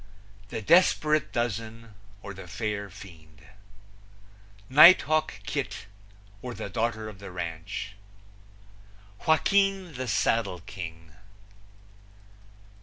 The Desperate Dozen; or, The Fair Fiend. Nighthawk Kit; or, The Daughter of the Ranch. Joaquin, the Saddle King.